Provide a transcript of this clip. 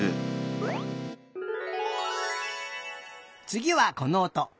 つぎはこのおと。